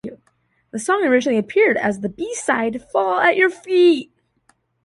The song originally appeared as the B-side to Fall at Your Feet.